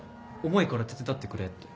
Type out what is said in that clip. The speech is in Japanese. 重いから手伝ってくれって。